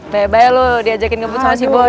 bye bye lo diajakin ngebut sama si boy